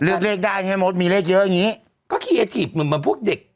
ลึกเลขได้อย่างเงี้ยหมดมีเลขเยอะอย่างงี้ก็เหมือนเหมือนพวกเด็ก